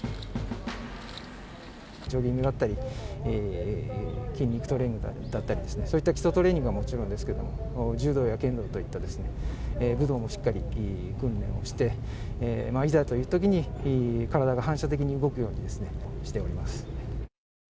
ジョギングだったり、筋肉トレーニングだったり、そういった基礎トレーニングはもちろんですけど、柔道や剣道といった武道もしっかり訓練をして、いざというときに、体が反射的に動くようにしております。